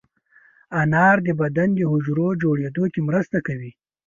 انار د بدن د حجرو جوړېدو کې مرسته کوي.